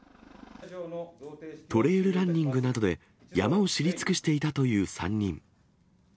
トレイルランニングなどで山を知り尽くしていたという３人。